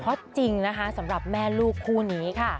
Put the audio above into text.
จริงนะคะสำหรับแม่ลูกคู่นี้ค่ะ